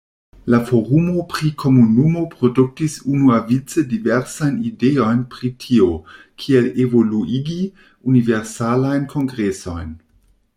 La forumo pri komunumo produktis unuavice diversajn ideojn prio tio, kiel evoluigi Universalajn Kongresojn.